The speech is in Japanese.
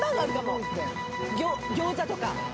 餃子とか。